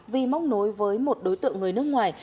vi móc nối với một đối tượng người nước ngoài